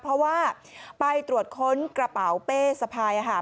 เพราะว่าไปตรวจค้นกระเป๋าเป้สะพาย